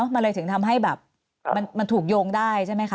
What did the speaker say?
มันเลยถึงทำให้แบบมันถูกโยงได้ใช่ไหมคะ